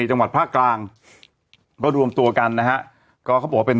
จังหวัดภาคกลางก็รวมตัวกันนะฮะก็เขาบอกว่าเป็น